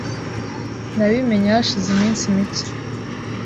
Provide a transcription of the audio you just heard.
Nabimenye hashize iminsi mike .